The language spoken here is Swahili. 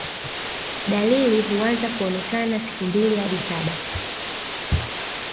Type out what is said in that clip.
Dalili huanza kuonekana siku mbili hadi saba